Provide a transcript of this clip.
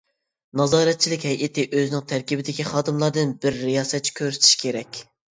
نازارەتچىلىك ھەيئىتى ئۆزىنىڭ تەركىبىدىكى خادىملاردىن بىر رىياسەتچى كۆرسىتىشى كېرەك.